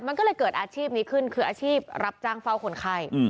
มันก็เลยเกิดอาชีพนี้ขึ้นคืออาชีพรับจ้างเฝ้าคนไข้